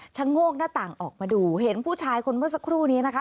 โงกหน้าต่างออกมาดูเห็นผู้ชายคนเมื่อสักครู่นี้นะคะ